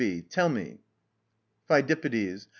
tell me. PHIDIPPIDES.